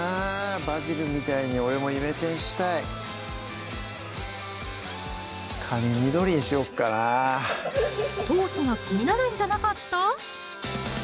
バジルみたいに俺もイメチェンしたい髪緑にしよっかな頭皮が気になるんじゃなかった？